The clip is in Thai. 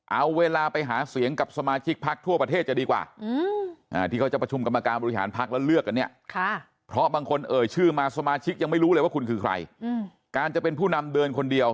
เอาเวลาไปหาเสียงกับสมาชิกภักดิ์ทั่วประเทศจะดีกว่าอืมอ่าที่เขาจะประชุมกำลักษณ์บริหารพักแล้วเลือกกันเนี่ย